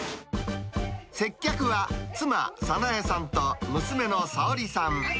接客は妻、早苗さんと娘の早織さん。